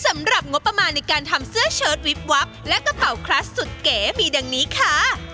สำหรับงบประมาณในการทำเสื้อเชิดวิบวับและกระเป๋าคลัสสุดเก๋มีดังนี้ค่ะ